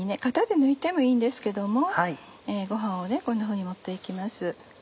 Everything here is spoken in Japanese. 型で抜いてもいいんですけどもご飯をこんなふうに盛って行きます。